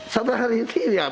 seberapa hari ini ya